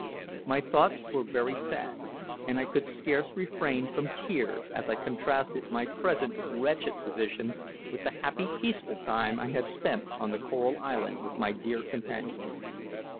My thoughts were very sad, and I could scarce refrain from tears as I contrasted my present wretched position with the happy, peaceful time I had spent on the Coral Island with my dear companions.